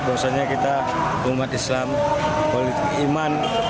bahwasannya kita umat islam politik iman